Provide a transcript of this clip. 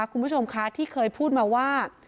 คุณผู้ชมคะที่เคยพูดมาว่า